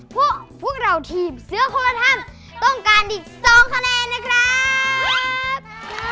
พวกเราทีมเสื้อคนละท่านต้องการอีก๒คะแนนนะครับ